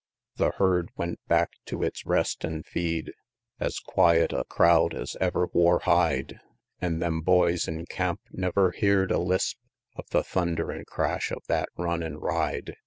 The herd went back to its rest an' feed, Es quiet a crowd es ever wore hide; An' them boys in camp never heerd a lisp Of the thunder an' crash of that run an' ride.